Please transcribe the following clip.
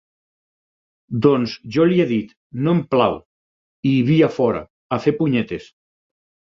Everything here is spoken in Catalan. Doncs, jo li he dit: «No em plau!» I, via fora, a fer punyetes!